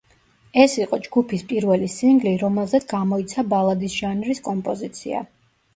ეს იყო ჯგუფის პირველი სინგლი, რომელზეც გამოიცა ბალადის ჟანრის კომპოზიცია.